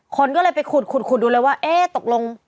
คนก็เลยไปขุดขุดดูเลยว่าเอ๊ะตกลง